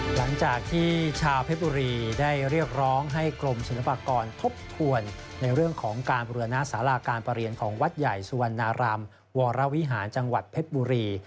หลังจากที่ชาวเพชรบุรีได้เรียกร้องให้กรมศิลปากรทบทวนในเรื่องของการบุรณสาราการประเรียนของวัดใหญ่สุวรรณรามวรวิหารจังหวัดเพชรบุรี